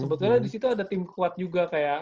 sebetulnya di situ ada tim kuat juga kayak